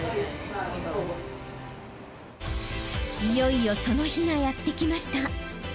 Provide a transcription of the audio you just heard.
［いよいよその日がやって来ました］